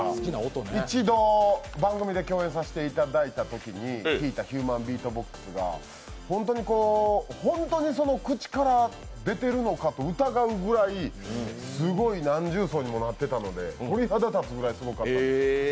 一度、番組で共演させていただいたときに聴いたヒューマンビートボックスが本当に口から出ているのかと疑うぐらいすごい何重奏にもなっていたので、鳥肌立つくらいすごかった。